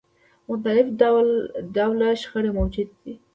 مختلف ډوله شخړې موجودې دي.